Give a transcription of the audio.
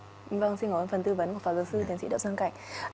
tiến sĩ đậu sơn cảnh